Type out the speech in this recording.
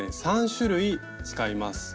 ３種類使います。